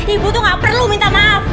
ibu tuh gak perlu minta maaf